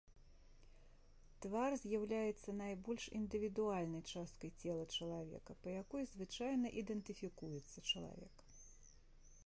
Твар з'яўляецца найбольш індывідуальнай часткай цела чалавека, па якой звычайна ідэнтыфікуецца чалавек.